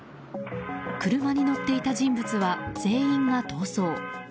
車に乗っていた人物は全員が逃走。